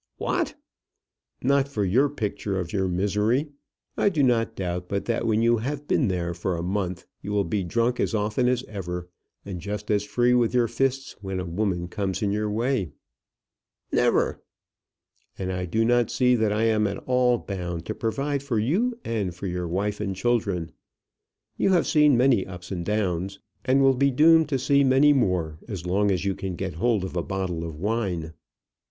"What!" "Not for your picture of your misery. I do not doubt but that when you have been there for a month you will be drunk as often as ever, and just as free with your fists when a woman comes in your way." "Never!" "And I do not see that I am at all bound to provide for you and for your wife and children. You have seen many ups and downs, and will be doomed to see many more, as long as you can get hold of a bottle of wine."